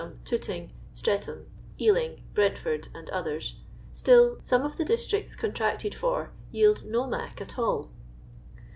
ini, Tooting, Streathnm, Ealing, Brentford, and others — still some of the districts contracted for yield no " nnc " at all.